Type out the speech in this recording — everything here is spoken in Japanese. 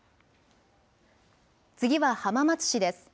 次は浜松市です。